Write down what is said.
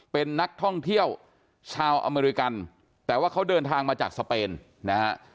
เป็นนักท่องเที่ยวชาวอเมริกันแต่ว่าเขาเดินทางมาจากสเปนนะฮะ